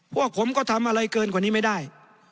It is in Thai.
พวกผมก็ทำอะไรเกินกว่านี้ไม่ได้